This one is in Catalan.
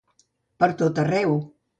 Per tot arreu.